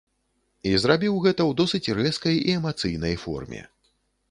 І зрабіў гэта ў досыць рэзкай і эмацыйнай форме.